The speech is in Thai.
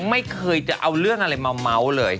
ไม่เคยจะเอาเรื่องอะไรมาเมาส์เลย